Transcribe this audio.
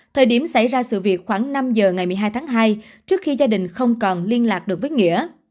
thời điểm xảy ra sự việc khoảng năm giờ ngày một mươi hai tháng hai trước khi gia đình không còn liên lạc được với nghĩa